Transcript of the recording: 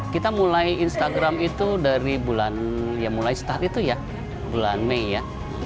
kita mulai instagram itu dari bulan ya mulai start itu ya bulan mei ya